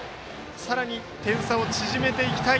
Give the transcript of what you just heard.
さらに点差を縮めていきたい